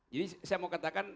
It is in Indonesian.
jadi saya mau katakan